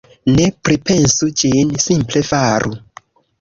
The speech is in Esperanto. Ne pripensu ĝin, simple faru.